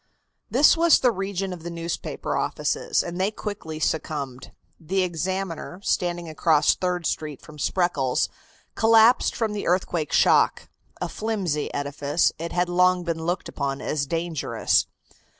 This was the region of the newspaper offices, and they quickly succumbed. The Examiner, standing across Third Street from Spreckles, collapsed from the earthquake shock. A flimsy edifice, it had long been looked upon as dangerous.